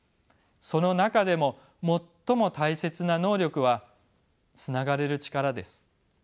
その中でも最も大切な能力はつながれる力です。